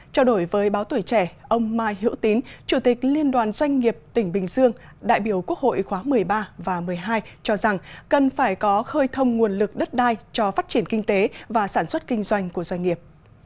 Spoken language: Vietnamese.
trao đổi với báo tuổi trẻ ông mai hữu tín chủ tịch liên đoàn doanh nghiệp tỉnh bình dương đại biểu quốc hội khóa một mươi ba và một mươi hai cho rằng cần phải có khơi thông nguồn lực đất đai cho phát triển kinh tế và sản xuất kinh doanh của doanh nghiệp